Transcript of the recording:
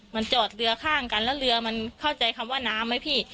มันจอดเรือข้างกันแล้วเรือมันเข้าใจคำว่าน้ำไหมพี่